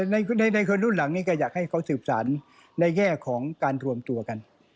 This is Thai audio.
ในคนรุ่นหลังนี้ก็อยากให้เขาสืบสารในแง่ของการรวมตัวกัน